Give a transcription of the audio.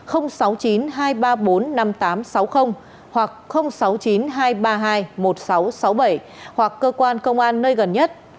hoặc sáu mươi chín hai trăm ba mươi hai một nghìn sáu trăm sáu mươi bảy hoặc cơ quan công an nơi gần nhất